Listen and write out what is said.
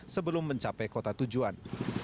sebelum mencapai kota tujuan